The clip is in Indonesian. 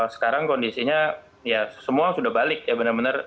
sekarang kondisinya ya semua sudah balik ya benar benar